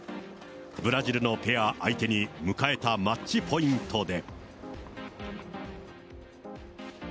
ブラジルのペア相手に迎えたマッチポイントで。